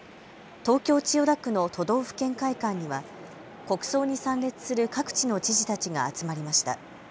東京千代田区の都道府県会館には国葬に参列する各地の知事たちが集まりました。